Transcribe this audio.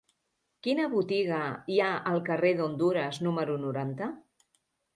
Quina botiga hi ha al carrer d'Hondures número noranta?